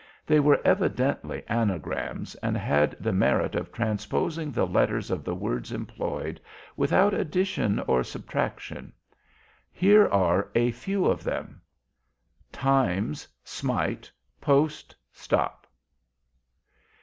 They were evidently anagrams, and had the merit of transposing the letters of the words employed without addition or subtraction. Here are a few of them: TIMES. SMITE! POST. STOP!